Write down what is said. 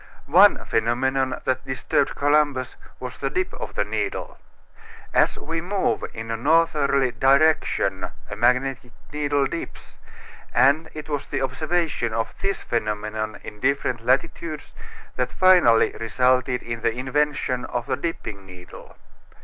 One phenomenon that disturbed Columbus was the dip of the needle. As we move in a northerly direction a magnetic needle dips, and it was the observation of this phenomenon in different latitudes that finally resulted in the invention of the dipping needle.